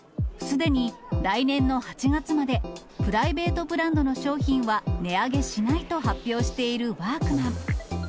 でに来年の８月まで、プライベートブランドの商品は値上げしないと発表しているワークマン。